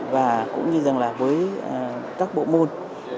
và cũng như rằng là với các bộ môn